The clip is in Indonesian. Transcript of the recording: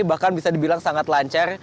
bahkan bisa dibilang sangat lancar